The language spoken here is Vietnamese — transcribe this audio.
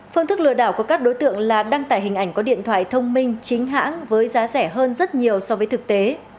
phương thức lừa đảo của các đối tượng là đăng tải hình ảnh có điện thoại thông minh chính hãng với giá rẻ hơn rất nhiều so với thực tế